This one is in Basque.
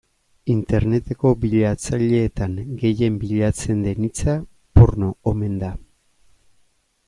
Interneteko bilatzaileetan gehien bilatzen den hitza porno omen da.